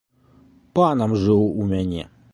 Панам жыў у мяне.